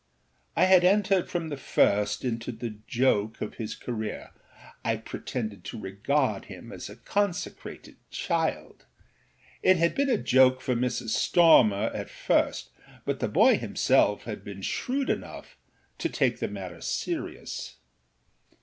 I had entered from the first into the joke of his careerâI pretended to regard him as a consecrated child. It had been a joke for Mrs. Stormer at first, but the boy himself had been shrewd enough to make the matter serious.